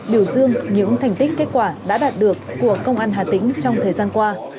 biểu dương những thành tích kết quả đã đạt được của công an hà tĩnh trong thời gian qua